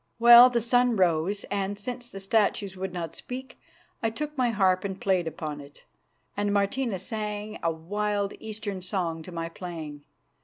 Well, the sun rose, and, since the statues would not speak, I took my harp and played upon it, and Martina sang a wild Eastern song to my playing.